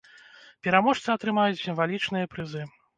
Пераможцы атрымаюць сімвалічныя прызы.